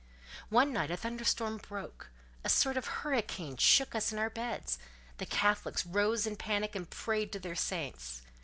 One night a thunder storm broke; a sort of hurricane shook us in our beds: the Catholics rose in panic and prayed to their saints.